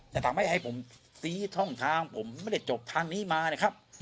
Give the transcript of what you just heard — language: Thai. แต่ถ้าไม่ให้ผมตีท่องทางผมไม่ได้จบทางนี้มาเนี้ยครับ